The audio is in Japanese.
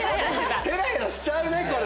ヘラヘラしちゃうねこれ。